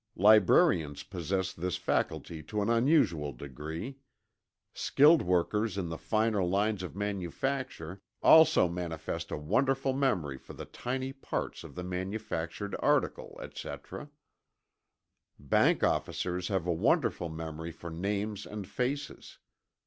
Librarians possess this faculty to an unusual degree. Skilled workers in the finer lines of manufacture also manifest a wonderful memory for the tiny parts of the manufactured article, etc. Bank officers have a wonderful memory for names and faces.